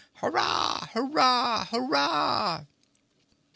Hurrah! Hurrah! Hurrah!"